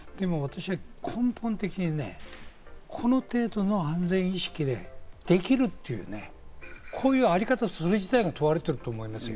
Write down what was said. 根本的にこの程度の安全意識でできるという、こういうあり方、それ自体が問われていると思います。